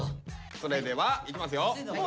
それではいきますよ。